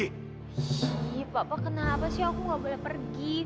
ih pak pak kenapa sih aku gak boleh pergi